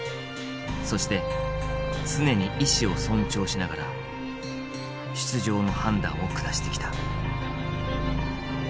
そして常に意思を尊重しながら出場の判断を下してきた。